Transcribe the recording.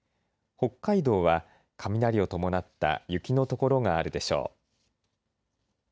北海道は雷を伴った雪の所があるでしょう。